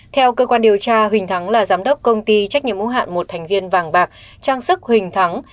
theo cơ quan điều tra huỳnh thắng là giám đốc công ty trách nhiệm ủng hạn một thành viên vàng bạc trang sức huỳnh thắng